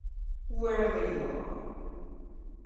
Wherever you are!